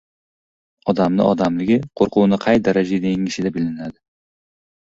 Odamning odamligi qo‘rquvni qay daraja yengishida bilinadi.